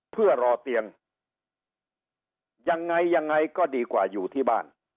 เพื่อรอเตียงยังไงยังไงก็ดีกว่าอยู่ที่บ้าน